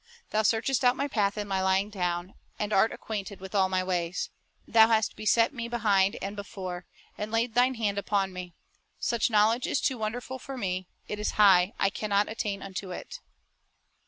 Thou searchest out my path and my lying down, And art acquainted with all my ways. ... Thou hast beset me behind and before, And laid Thine hand upon me. Such knowledge is too wonderful for me ; It is high, I can not attain unto it."